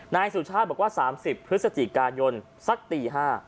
นายสุชาติบอกว่า๓๐พฤศจิกายนสักตี๕